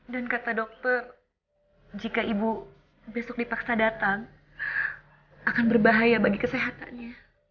kata dokter jika ibu besok dipaksa datang akan berbahaya bagi kesehatannya